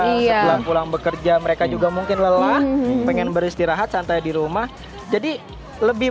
ya setelah pulang bekerja mereka juga mungkin lelah pengen beristirahat santai di rumah jadi lebih